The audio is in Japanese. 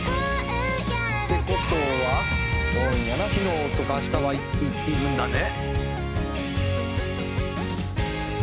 「って事は昨日とか明日はいるんだね」